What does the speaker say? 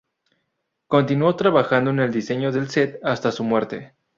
Continuó trabajando en el diseño del set hasta su muerte.